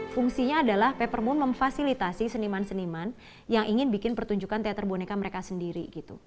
fungsinya adalah peppermint memfasilitasi seniman seniman yang ingin bikin pertunjukan teater boneka mereka sendiri